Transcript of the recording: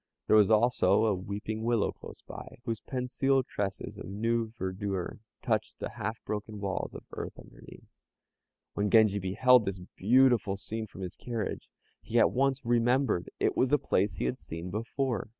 There was also a weeping willow close by, whose pensile tresses of new verdure touched the half broken walls of earth underneath. When Genji beheld this beautiful scene from his carriage, he at once remembered it was a place he had seen before.